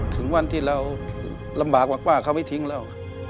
ถึงวันที่เราลำบากกว่าเขาไม่ทิ้งแล้ว